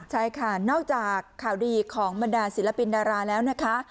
ใช่ค่ะนอกจากข่าวดีของบรรดาศิลปินดาราแล้วนะคะ